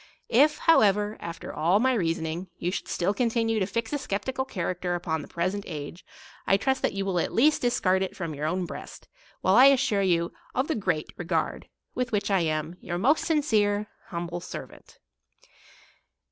If, however, after all my reasoning, you should still continue to fix a skeptical character upon the present age, I trust that you will at least discard it from your own breast, while I assure you of the great re gard with which I am Your most sincere, humble servant.